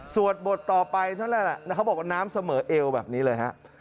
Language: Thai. สวดบทต่อไปเขาก็บอกว่าน้ำเสมอเอลแบบนี้เลย